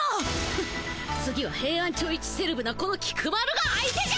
フッ次はヘイアンチョウいちセレブなこの菊丸が相手じゃ！